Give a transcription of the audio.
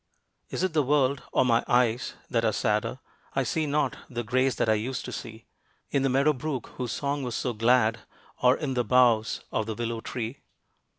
Is it the world, or my eyes, that are sadder? I see not the grace that I used to see In the meadow brook whose song was so glad, or In the boughs of the willow tree.